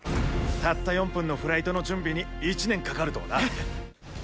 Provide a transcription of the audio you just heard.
たった４分のフライトの準備に、１年かかるとはな。